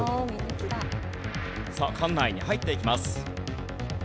さあ館内に入っていきます。